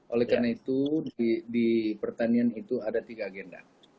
oleh karena itu di pertanian itu ada tiga agenda